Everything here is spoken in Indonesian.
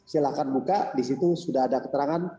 silahkan buka di situ sudah ada keterangan